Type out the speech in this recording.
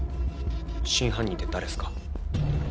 真犯人って誰すか？